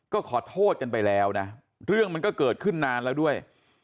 ก็ขอโทษกันไปแล้วนะเรื่องมันก็เกิดขึ้นนานแล้วด้วย